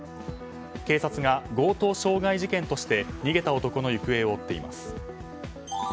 警察が強盗傷害事件として逃げた男の行方を追っています。